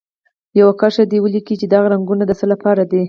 یوه کرښه دې ولیکي چې دغه رنګونه د څه لپاره دي.